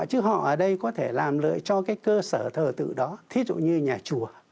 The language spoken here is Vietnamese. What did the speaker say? chứ họ ở đây có thể làm lợi cho cái cơ sở thờ tự đó thí dụ như nhà chùa